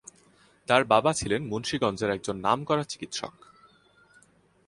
তার বাবা ছিলেন মুন্সিগঞ্জের একজন নামকরা চিকিৎসক।